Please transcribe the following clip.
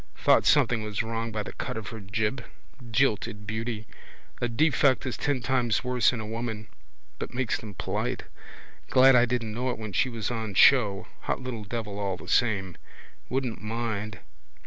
Thought something was wrong by the cut of her jib. Jilted beauty. A defect is ten times worse in a woman. But makes them polite. Glad I didn't know it when she was on show. Hot little devil all the same. I wouldn't mind.